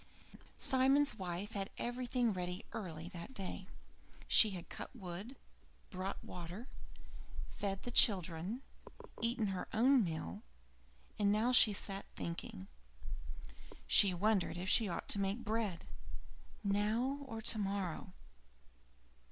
III Simon's wife had everything ready early that day. She had cut wood, brought water, fed the children, eaten her own meal, and now she sat thinking. She wondered when she ought to make bread: now or tomorrow?